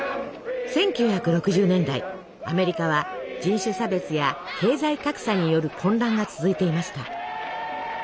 １９６０年代アメリカは人種差別や経済格差による混乱が続いていました。